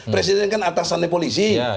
presiden kan atasannya polisi